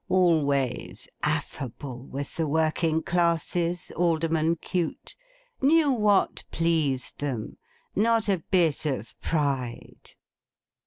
Always affable with the working classes, Alderman Cute! Knew what pleased them! Not a bit of pride!